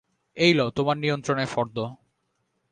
এই লও তোমার নিয়ন্ত্রণের ফর্দ।